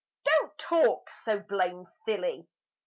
Don't talk so blame silly!